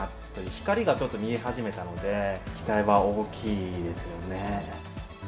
光がちょっと見え始めたので、期待は大きいですよね。